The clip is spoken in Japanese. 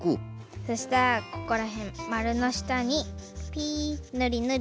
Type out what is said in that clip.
そしたらここらへんまるのしたにピぬりぬり。